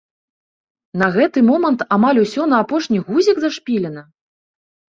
На гэты момант амаль усё на апошні гузік зашпілена?